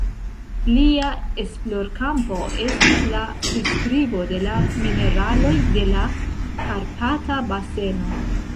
Lia esplorkampo estis la priskribo de la mineraloj de la Karpata baseno.